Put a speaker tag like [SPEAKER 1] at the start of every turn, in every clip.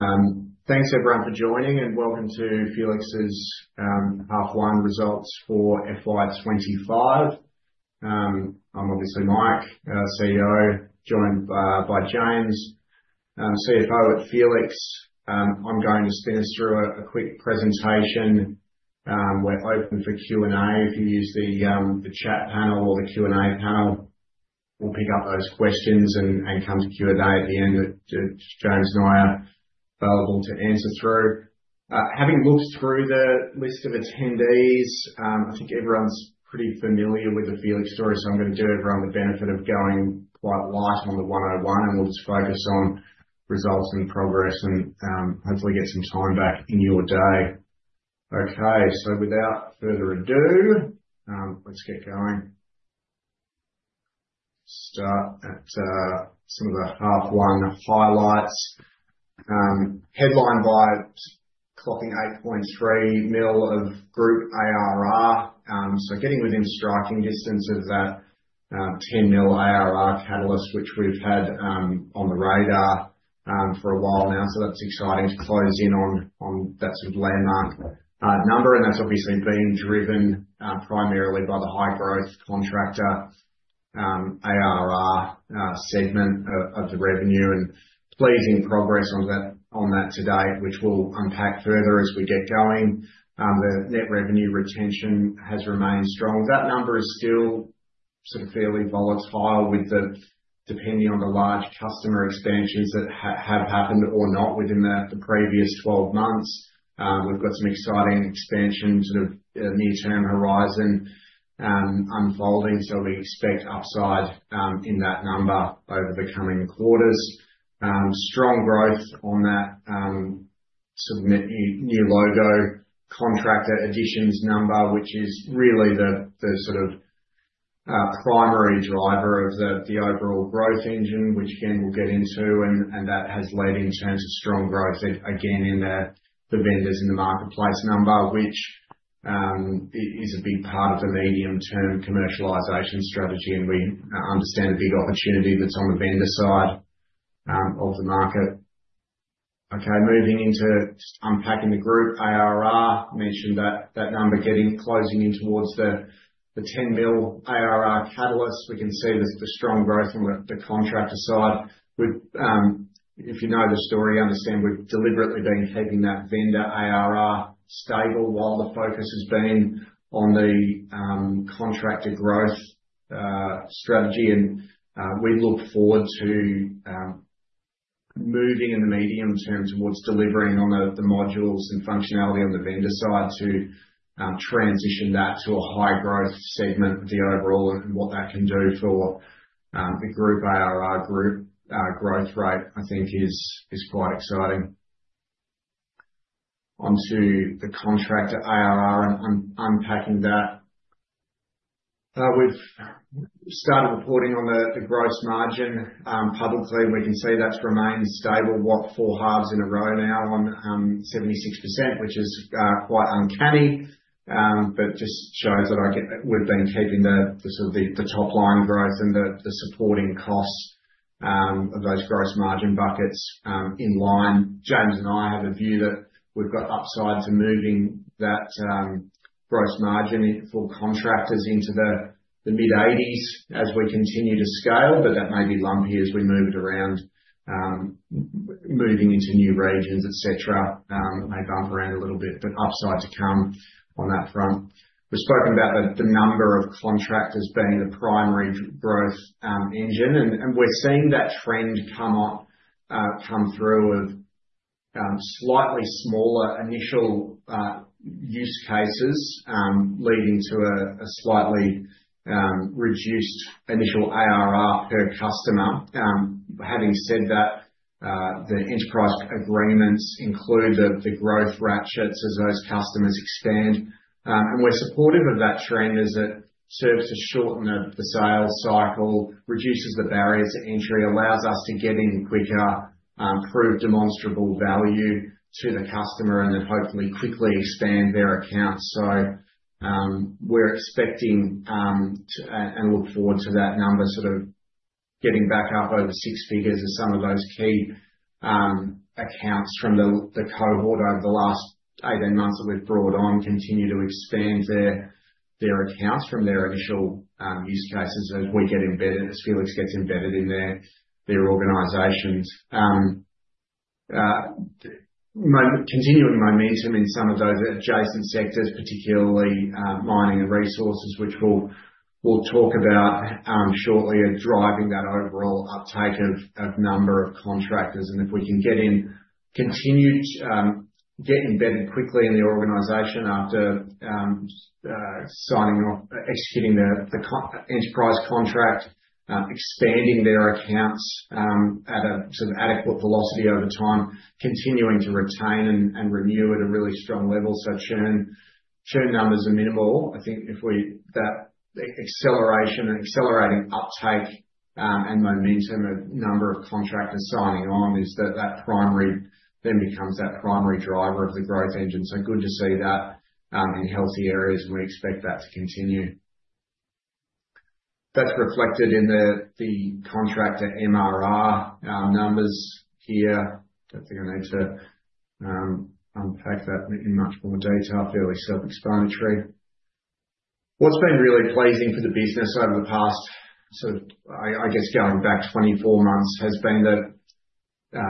[SPEAKER 1] Thanks everyone for joining, and welcome to Felix's half-one results for FY2025. I'm obviously Mike, CEO, joined by James, CFO at Felix. I'm going to spin us through a quick presentation. We're open for Q&A. If you use the chat panel or the Q&A panel, we'll pick up those questions and come to Q&A at the end. James and I are available to answer through. Having looked through the list of attendees, I think everyone's pretty familiar with the Felix story, so I'm going to do it around the benefit of going quite light on the 101, and we'll just focus on results and progress and hopefully get some time back in your day. Okay, without further ado, let's get going. Start at some of the half-one highlights. Headline by clocking $8.3 million of group ARR. Getting within striking distance of that $10 million ARR catalyst, which we have had on the radar for a while now. That is exciting to close in on that sort of landmark number. That is obviously being driven primarily by the high-growth contractor ARR segment of the revenue and pleasing progress on that to date, which we will unpack further as we get going. The net revenue retention has remained strong. That number is still fairly volatile depending on the large customer expansions that have happened or not within the previous 12 months. We have some exciting expansion near-term horizon unfolding, so we expect upside in that number over the coming quarters. Strong growth on that new logo contractor additions number, which is really the primary driver of the overall growth engine, which again, we will get into. That has led in terms of strong growth again in the vendors in the marketplace number, which is a big part of the medium-term commercialisation strategy. We understand the big opportunity that is on the vendor side of the market. Okay, moving into unpacking the group ARR, mentioned that number getting closing in towards the $10 million ARR catalyst. We can see the strong growth on the contractor side. If you know the story, you understand we have deliberately been keeping that vendor ARR stable while the focus has been on the contractor growth strategy. We look forward to moving in the medium term towards delivering on the modules and functionality on the vendor side to transition that to a high-growth segment of the overall and what that can do for the group ARR growth rate, I think, is quite exciting. Onto the contractor ARR and unpacking that. We've started reporting on the gross margin publicly. We can see that's remained stable, what, four halves in a row now on 76%, which is quite uncanny, but just shows that we've been keeping the sort of the top-line growth and the supporting costs of those gross margin buckets in line. James and I have a view that we've got upside to moving that gross margin for contractors into the mid-80% as we continue to scale, but that may be lumpy as we move it around, moving into new regions, etc. May bump around a little bit, but upside to come on that front. We've spoken about the number of contractors being the primary growth engine, and we're seeing that trend come through of slightly smaller initial use cases leading to a slightly reduced initial ARR per customer. Having said that, the enterprise agreements include the growth ratchets as those customers expand. We are supportive of that trend as it serves to shorten the sales cycle, reduces the barriers to entry, allows us to get in quicker, prove demonstrable value to the customer, and then hopefully quickly expand their accounts. We are expecting and look forward to that number sort of getting back up over six figures as some of those key accounts from the cohort over the last eight, ten months that we have brought on continue to expand their accounts from their initial use cases as we get embedded, as Felix gets embedded in their organizations. Continuing momentum in some of those adjacent sectors, particularly mining and resources, which we will talk about shortly, are driving that overall uptake of number of contractors. If we can continue to get embedded quickly in the organization after signing off, executing the enterprise contract, expanding their accounts at a sort of adequate velocity over time, continuing to retain and renew at a really strong level, churn numbers are minimal. I think that acceleration and accelerating uptake and momentum of number of contractors signing on is that primary, then becomes that primary driver of the growth engine. Good to see that in healthy areas, and we expect that to continue. That is reflected in the contractor MRR numbers here. I do not think I need to unpack that in much more detail. Fairly self-explanatory. What's been really pleasing for the business over the past, sort of, I guess, going back 24 months, has been the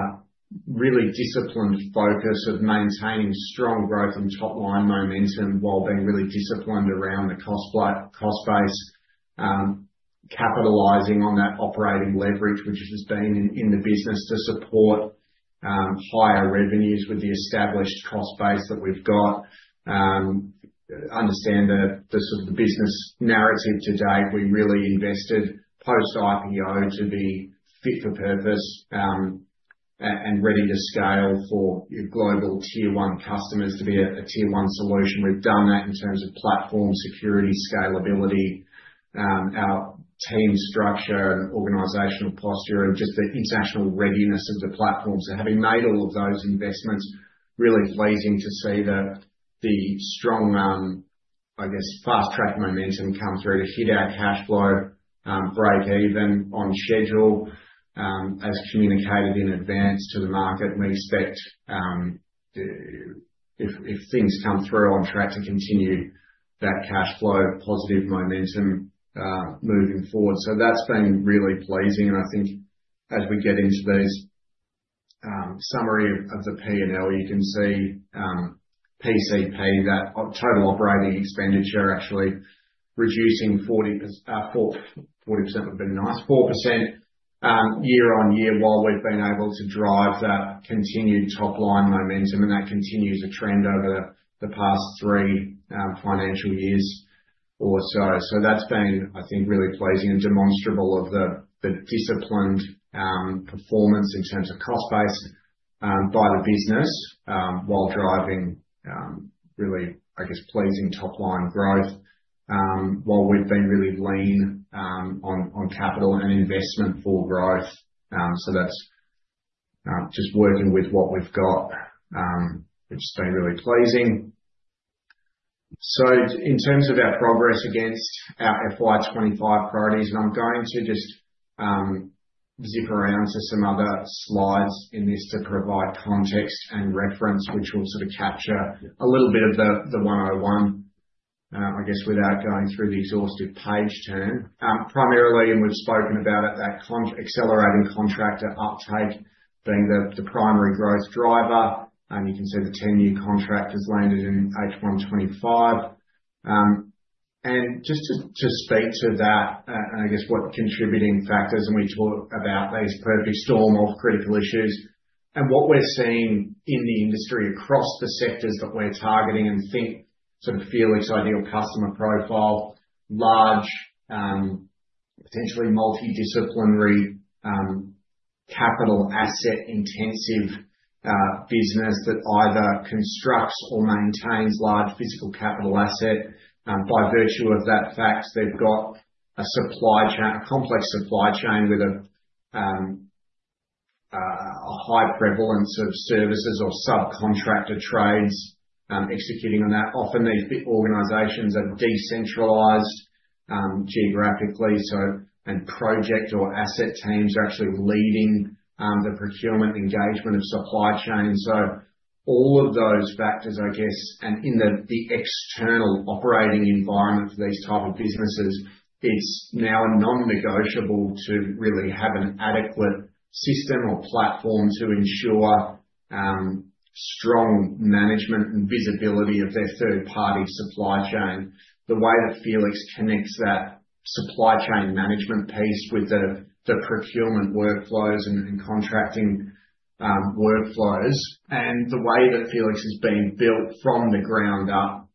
[SPEAKER 1] really disciplined focus of maintaining strong growth and top-line momentum while being really disciplined around the cost base, capitalizing on that operating leverage, which has been in the business to support higher revenues with the established cost base that we've got. Understand the sort of the business narrative today. We really invested post-IPO to be fit for purpose and ready to scale for global tier-one customers to be a tier-one solution. We've done that in terms of platform security, scalability, our team structure, and organizational posture, and just the international readiness of the platforms. Having made all of those investments, really pleasing to see the strong, I guess, fast-track momentum come through to hit our cash flow, break even on schedule as communicated in advance to the market. We expect, if things come through on track, to continue that cash flow positive momentum moving forward. That has been really pleasing. I think as we get into this summary of the P&L, you can see PCP, that total operating expenditure actually reducing 4% year on year, while we have been able to drive that continued top-line momentum. That continues a trend over the past three financial years or so. That has been, I think, really pleasing and demonstrable of the disciplined performance in terms of cost base by the business while driving really, I guess, pleasing top-line growth while we have been really lean on capital and investment for growth. That is just working with what we have got, which has been really pleasing. In terms of our progress against our FY25 priorities, I'm going to just zip around to some other slides in this to provide context and reference, which will sort of capture a little bit of the 101, I guess, without going through the exhaustive page turn. Primarily, and we've spoken about it, accelerating contractor uptake being the primary growth driver. You can see the 10 new contractors landed in H125. Just to speak to that, and I guess what contributing factors, we talk about these perfect storm of critical issues. What we're seeing in the industry across the sectors that we're targeting, and think sort of Felix ideal customer profile, large, potentially multidisciplinary capital asset intensive business that either constructs or maintains large physical capital asset. By virtue of that fact, they've got a complex supply chain with a high prevalence of services or subcontractor trades executing on that. Often, these organizations are decentralized geographically, and project or asset teams are actually leading the procurement engagement of supply chain. All of those factors, I guess, and in the external operating environment for these types of businesses, it's now a non-negotiable to really have an adequate system or platform to ensure strong management and visibility of their third-party supply chain. The way that Felix connects that supply chain management piece with the procurement workflows and contracting workflows and the way that Felix has been built from the ground up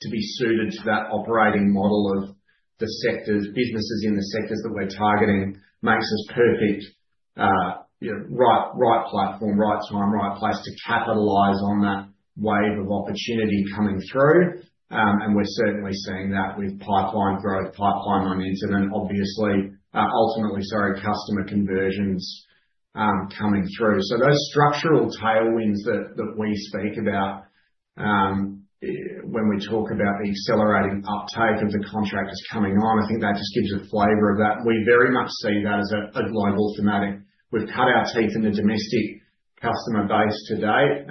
[SPEAKER 1] to be suited to that operating model of the businesses in the sectors that we're targeting makes us perfect, right platform, right time, right place to capitalize on that wave of opportunity coming through. We're certainly seeing that with pipeline growth, pipeline momentum, and obviously, ultimately, sorry, customer conversions coming through. Those structural tailwinds that we speak about when we talk about the accelerating uptake of the contractors coming on, I think that just gives a flavor of that. We very much see that as a global thematic. We've cut our teeth in the domestic customer base today,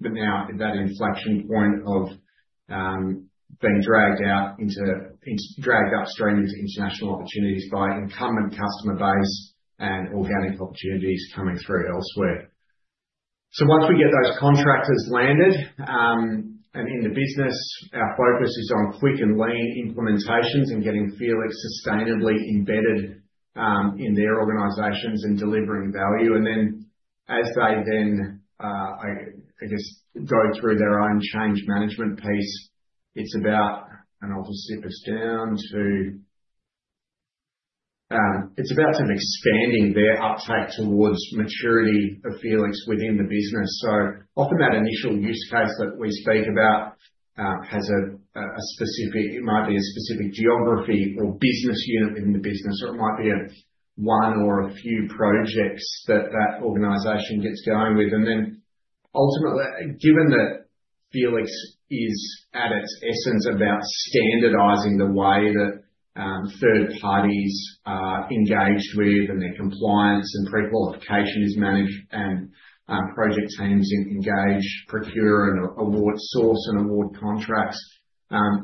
[SPEAKER 1] but now that inflection point of being dragged upstream into international opportunities by incumbent customer base and organic opportunities coming through elsewhere. Once we get those contractors landed and in the business, our focus is on quick and lean implementations and getting Felix sustainably embedded in their organizations and delivering value. As they then, I guess, go through their own change management piece, it's about, and I'll just zip us down to, it's about sort of expanding their uptake towards maturity of Felix within the business. Often that initial use case that we speak about has a specific, it might be a specific geography or business unit within the business, or it might be one or a few projects that that organisation gets going with. Ultimately, given that Felix is at its essence about standardizing the way that third parties are engaged with and their compliance and pre-qualification is managed and project teams engage, procure, and award, source and award contracts,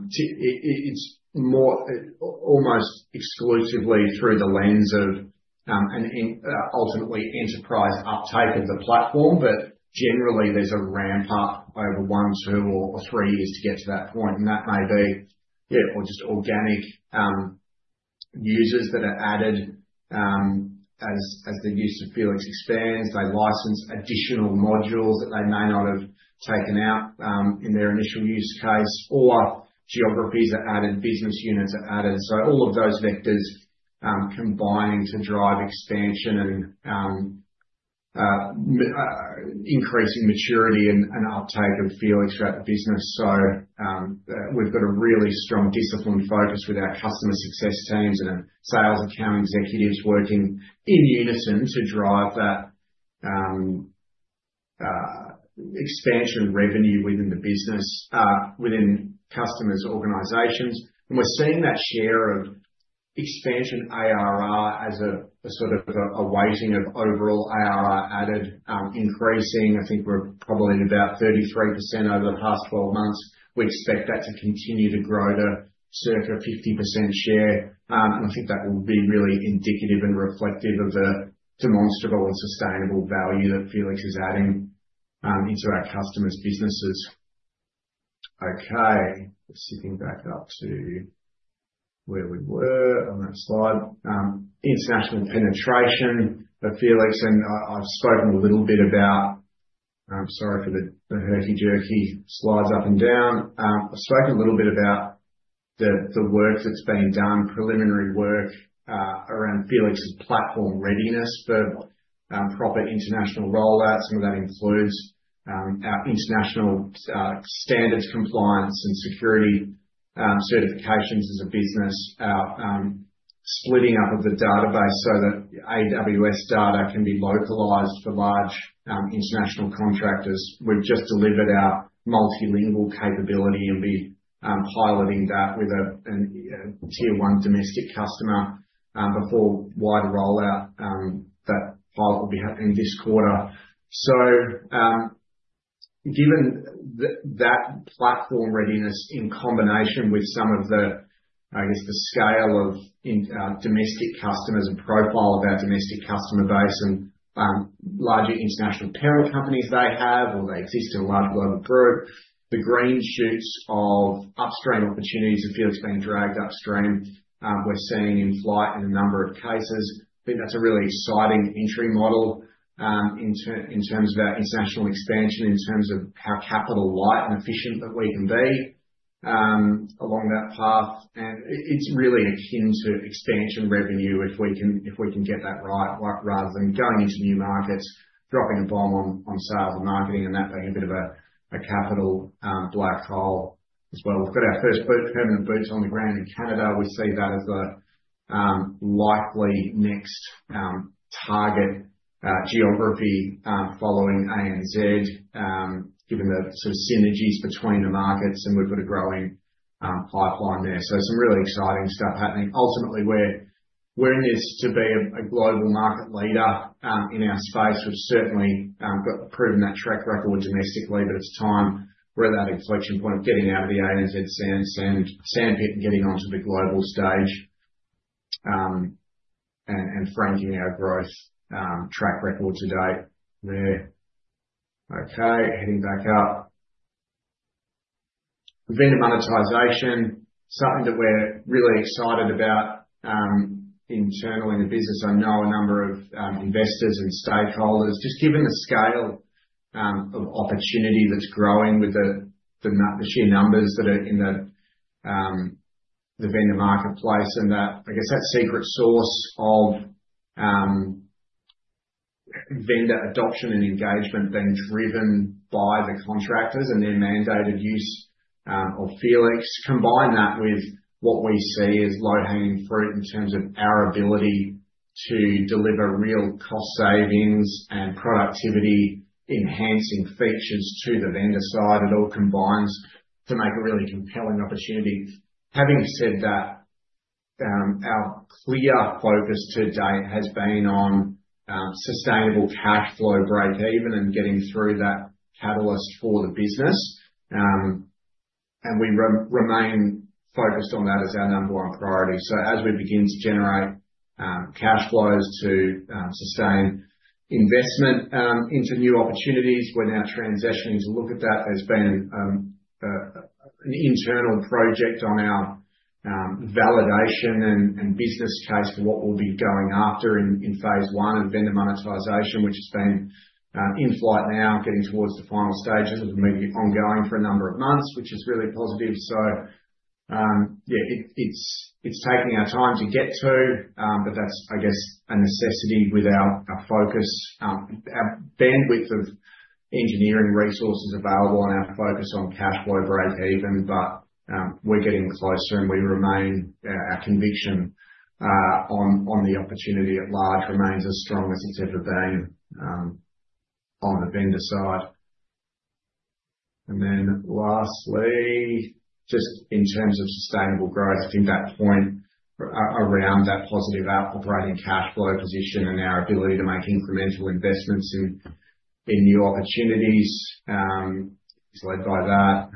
[SPEAKER 1] it's almost exclusively through the lens of an ultimately enterprise uptake of the platform. Generally, there's a ramp up over one to three years to get to that point. That may be, yeah, or just organic users that are added as the use of Felix expands. They license additional modules that they may not have taken out in their initial use case, or geographies are added, business units are added. All of those vectors combine to drive expansion and increasing maturity and uptake of Felix throughout the business. We have a really strong disciplined focus with our customer success teams and sales account executives working in unison to drive that expansion revenue within the business, within customers' organizations. We are seeing that share of expansion ARR as a sort of a weighting of overall ARR added increasing. I think we are probably at about 33% over the past 12 months. We expect that to continue to grow to circa 50% share. I think that will be really indicative and reflective of the demonstrable and sustainable value that Felix is adding into our customers' businesses. Okay. Let's zip back up to where we were on that slide. International penetration for Felix. I've spoken a little bit about, sorry for the herky-jerky slides up and down. I've spoken a little bit about the work that's been done, preliminary work around Felix's platform readiness for proper international rollout. Some of that includes our international standards compliance and security certifications as a business, splitting up of the database so that AWS data can be localized for large international contractors. We've just delivered our multilingual capability and will be piloting that with a tier-one domestic customer before wider rollout. That pilot will be happening this quarter. Given that platform readiness in combination with some of the, I guess, the scale of domestic customers and profile of our domestic customer base and larger international parent companies they have or they exist in a large global group, the green shoots of upstream opportunities of Felix being dragged upstream, we're seeing in flight in a number of cases. I think that's a really exciting entry model in terms of our international expansion, in terms of how capital light and efficient that we can be along that path. It's really akin to expansion revenue if we can get that right, rather than going into new markets, dropping a bomb on sales and marketing and that being a bit of a capital black hole as well. We've got our first permanent boots on the ground in Canada. We see that as a likely next target geography following ANZ, given the sort of synergies between the markets, and we've got a growing pipeline there. Some really exciting stuff happening. Ultimately, we're in this to be a global market leader in our space, which certainly has proven that track record domestically, but it's time we're at that inflection point of getting out of the ANZ sandpit and getting onto the global stage and franking our growth track record to date. Okay. Heading back up. Vendor monetisation, something that we're really excited about internally in the business. I know a number of investors and stakeholders, just given the scale of opportunity that's growing with the sheer numbers that are in the vendor marketplace and that, I guess, that secret sauce of vendor adoption and engagement being driven by the contractors and their mandated use of Felix, combine that with what we see as low-hanging fruit in terms of our ability to deliver real cost savings and productivity-enhancing features to the vendor side. It all combines to make a really compelling opportunity. Having said that, our clear focus to date has been on sustainable cash flow break even and getting through that catalyst for the business. We remain focused on that as our number one priority. As we begin to generate cash flows to sustain investment into new opportunities, we're now transitioning to look at that as being an internal project on our validation and business case for what we'll be going after in phase one of vendor monetisation, which has been in flight now, getting towards the final stages. We've been ongoing for a number of months, which is really positive. Yeah, it's taking our time to get to, but that's, I guess, a necessity with our focus. Our bandwidth of engineering resources available and our focus on cash flow break even, but we're getting closer and we remain, our conviction on the opportunity at large remains as strong as it's ever been on the vendor side. Lastly, just in terms of sustainable growth, I think that point around that positive operating cash flow position and our ability to make incremental investments in new opportunities is led by that.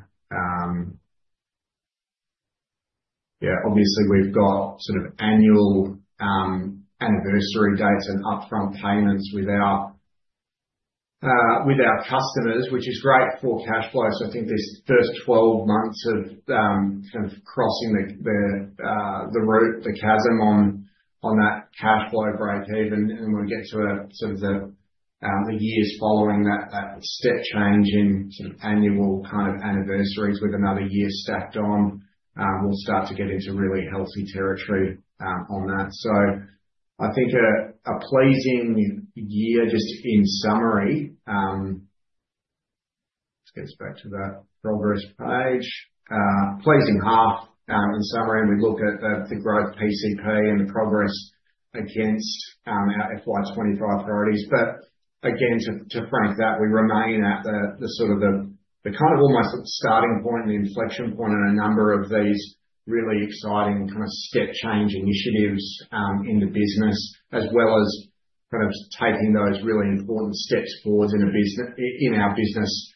[SPEAKER 1] Yeah, obviously, we've got sort of annual anniversary dates and upfront payments with our customers, which is great for cash flow. I think these first 12 months of kind of crossing the chasm on that cash flow break even, and when we get to the years following that step change in sort of annual kind of anniversaries with another year stacked on, we'll start to get into really healthy territory on that. I think a pleasing year, just in summary, let's get us back to that progress page. Pleasing half in summary. We look at the growth PCP and the progress against our FY2025 priorities. To frank that, we remain at the sort of the kind of almost starting point and inflection point on a number of these really exciting kind of step change initiatives in the business, as well as kind of taking those really important steps forward in our business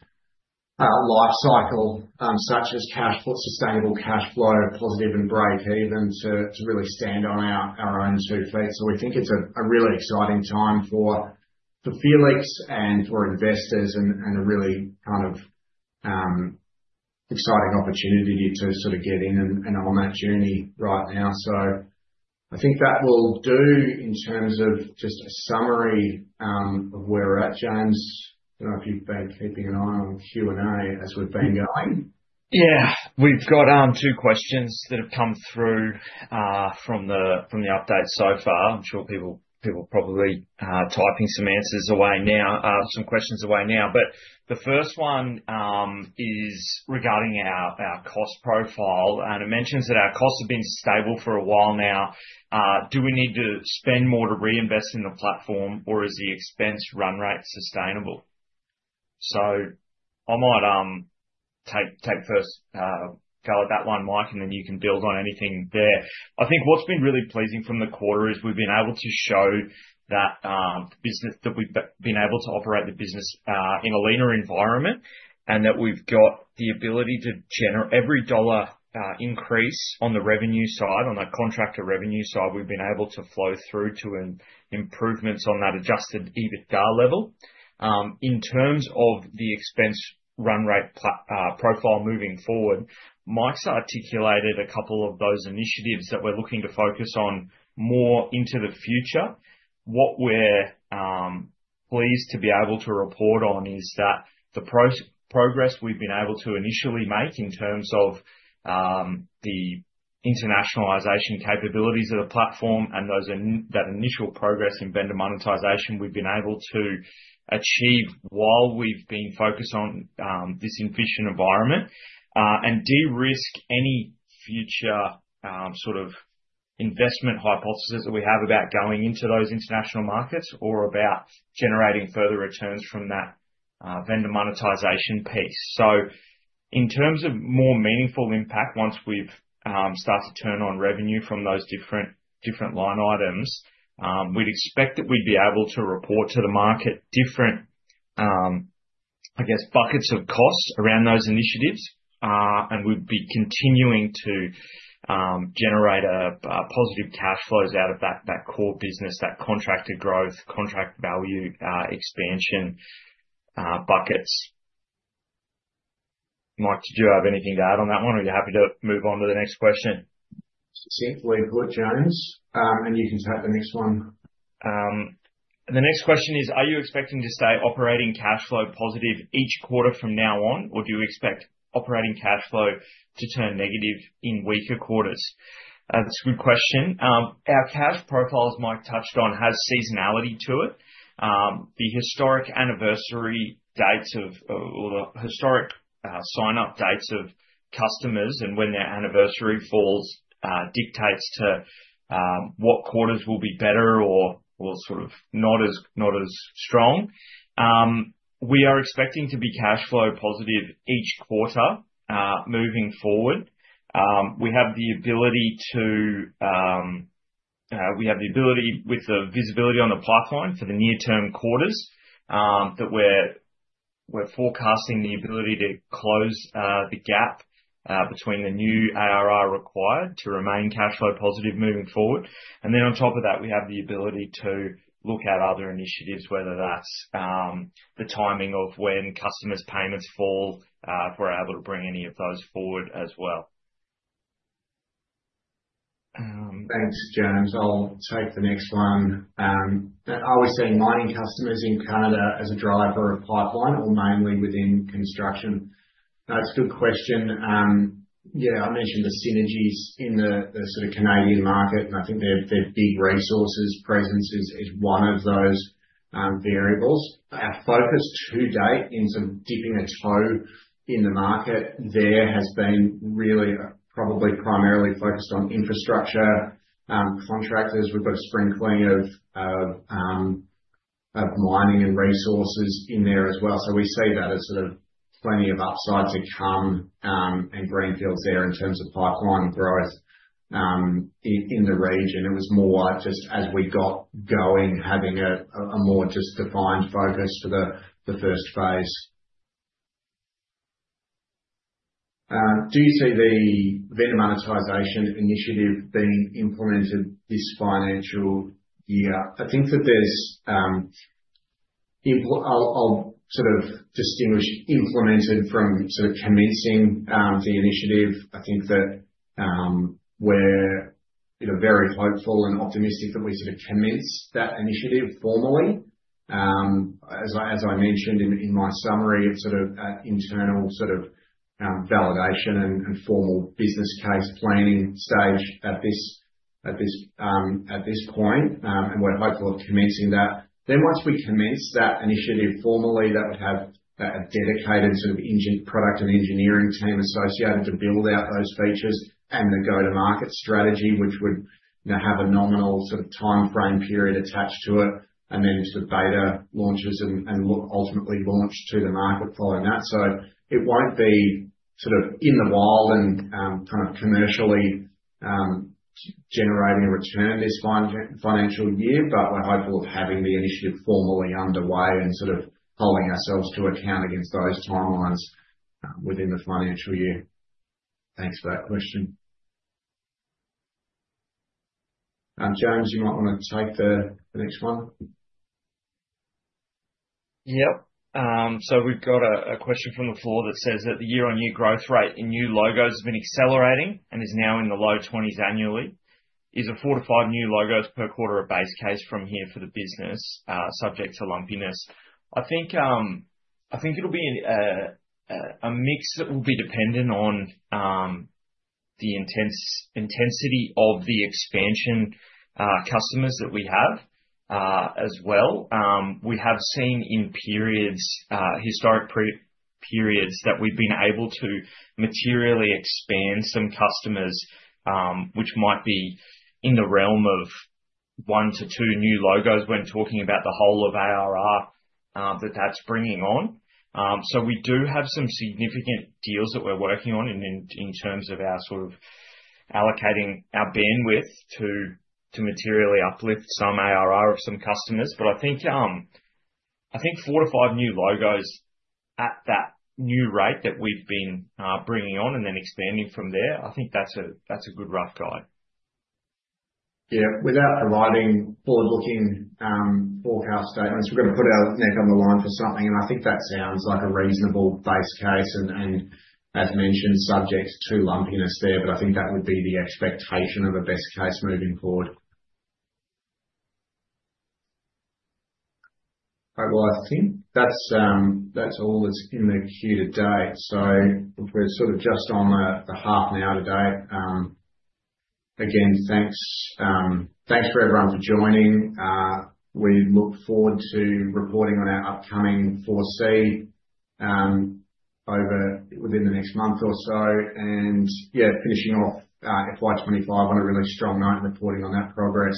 [SPEAKER 1] life cycle, such as sustainable cash flow, positive and break even, to really stand on our own two feet. We think it's a really exciting time for Felix and for investors and a really kind of exciting opportunity to sort of get in and on that journey right now. I think that will do in terms of just a summary of where we're at, James. I don't know if you've been keeping an eye on Q&A as we've been going.
[SPEAKER 2] Yeah. We've got two questions that have come through from the update so far. I'm sure people are probably typing some answers away now, some questions away now. The first one is regarding our cost profile. It mentions that our costs have been stable for a while now. Do we need to spend more to reinvest in the platform, or is the expense run rate sustainable? I might take first go at that one, Mike, and then you can build on anything there. I think what's been really pleasing from the quarter is we've been able to show that the business, that we've been able to operate the business in a leaner environment and that we've got the ability to generate every dollar increase on the revenue side, on the contractor revenue side, we've been able to flow through to improvements on that adjusted EBITDA level. In terms of the expense run rate profile moving forward, Mike's articulated a couple of those initiatives that we're looking to focus on more into the future. What we're pleased to be able to report on is that the progress we've been able to initially make in terms of the internationalisation capabilities of the platform and that initial progress in vendor monetisation, we've been able to achieve while we've been focused on this efficient environment and de-risk any future sort of investment hypothesis that we have about going into those international markets or about generating further returns from that vendor monetisation piece. In terms of more meaningful impact, once we've started to turn on revenue from those different line items, we'd expect that we'd be able to report to the market different, I guess, buckets of costs around those initiatives. We'd be continuing to generate positive cash flows out of that core business, that contractor growth, contract value expansion buckets. Mike, did you have anything to add on that one, or are you happy to move on to the next question?
[SPEAKER 1] Succinctly good, James. You can take the next one.
[SPEAKER 2] The next question is, are you expecting to stay operating cash flow positive each quarter from now on, or do you expect operating cash flow to turn negative in weaker quarters? That's a good question. Our cash profiles, Mike touched on, have seasonality to it. The historic anniversary dates or the historic sign-up dates of customers and when their anniversary falls dictates to what quarters will be better or sort of not as strong. We are expecting to be cash flow positive each quarter moving forward. We have the ability with the visibility on the pipeline for the near-term quarters that we're forecasting the ability to close the gap between the new ARR required to remain cash flow positive moving forward. On top of that, we have the ability to look at other initiatives, whether that's the timing of when customers' payments fall, if we're able to bring any of those forward as well.
[SPEAKER 1] Thanks, James. I'll take the next one. Are we seeing mining customers in Canada as a driver of pipeline or mainly within construction? That's a good question. Yeah, I mentioned the synergies in the sort of Canadian market, and I think their big resources presence is one of those variables. Our focus to date in sort of dipping a toe in the market there has been really probably primarily focused on infrastructure contractors. We've got a sprinkling of mining and resources in there as well. We see that as sort of plenty of upside to come and greenfields there in terms of pipeline growth in the region. It was more just as we got going, having a more just defined focus for the first phase. Do you see the vendor monetisation initiative being implemented this financial year? I think that there's, I'll sort of distinguish implemented from sort of commencing the initiative. I think that we're very hopeful and optimistic that we sort of commence that initiative formally. As I mentioned in my summary, it's sort of an internal sort of validation and formal business case planning stage at this point, and we're hopeful of commencing that. Once we commence that initiative formally, that would have a dedicated sort of product and engineering team associated to build out those features and the go-to-market strategy, which would have a nominal sort of timeframe period attached to it, and then sort of beta launches and ultimately launch to the market following that. It will not be in the wild and kind of commercially generating a return this financial year, but we're hopeful of having the initiative formally underway and holding ourselves to account against those timelines within the financial year. Thanks for that question. James, you might want to take the next one.
[SPEAKER 2] Yep. We've got a question from the floor that says that the year-on-year growth rate in new logos has been accelerating and is now in the low 20% annually. Is four to five new logos per quarter a base case from here for the business, subject to lumpiness? I think it'll be a mix that will be dependent on the intensity of the expansion customers that we have as well. We have seen in historic periods that we've been able to materially expand some customers, which might be in the realm of one to two new logos when talking about the whole of ARR that that's bringing on. We do have some significant deals that we're working on in terms of our sort of allocating our bandwidth to materially uplift some ARR of some customers. I think four to five new logos at that new rate that we've been bringing on and then expanding from there, I think that's a good rough guide.
[SPEAKER 1] Without providing forward-looking forecast statements, we've got to put our neck on the line for something. I think that sounds like a reasonable base case and, as mentioned, subject to lumpiness there. I think that would be the expectation of a best case moving forward. All right. I think that's all that's in the queue today. We're sort of just on the half an hour today. Again, thanks for everyone for joining. We look forward to reporting on our upcoming 4C within the next month or so. Yeah, finishing off FY2025 on a really strong note and reporting on that progress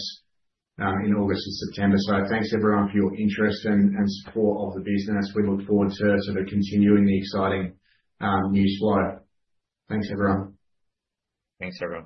[SPEAKER 1] in August and September. Thanks everyone for your interest and support of the business. We look forward to sort of continuing the exciting news flow. Thanks, everyone. Thanks, everyone.